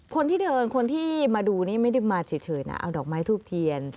คนที่เดินคนที่มาดูนี่ไม่ได้มาเฉยนะเอาดอกไม้ทูบเทียน